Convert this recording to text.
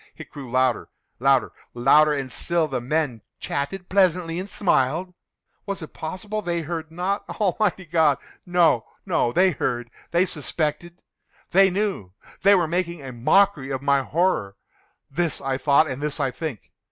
It grew louder—louder—louder! And still the men chatted pleasantly, and smiled. Was it possible they heard not? Almighty God!—no, no! They heard!—they suspected!—they knew!—they were making a mockery of my horror!—this I thought, and this I think.